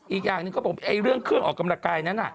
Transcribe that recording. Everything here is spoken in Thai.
อีกอย่างหนึ่งเขาบอกเรื่องเครื่องออกกำลังกายนั้น